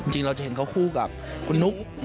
จริงเราจะเห็นเขาคู่กับคุณนุ๊ก